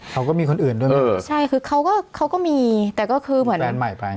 เขาก็มีคนอื่นด้วยนะเออใช่คือเขาก็เขาก็มีแต่ก็คือเหมือนแฟนใหม่ไป